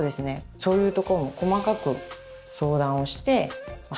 そういうところも細かく相談をして決めてます。